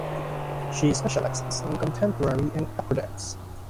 She specializes in contemporary and acro dance.